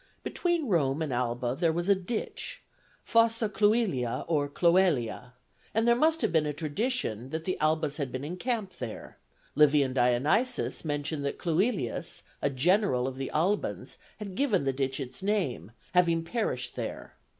Between Rome and Alba there was a ditch, Fossa Cluilia or Cloelia, and there must have been a tradition that the Albans had been encamped there; Livy and Dionysius mention that Cluilius, a general of the Albans, had given the ditch its name, having perished there.